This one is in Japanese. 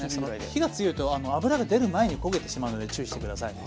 火が強いと脂が出る前に焦げてしまうので注意して下さい。